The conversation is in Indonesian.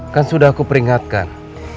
kan sudah aku peringatkan